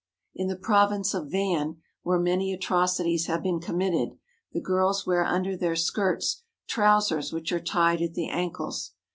In the province of Van, where many atroc ities have been committed, the girls wear under their skirts trousers which are tied at the ankles.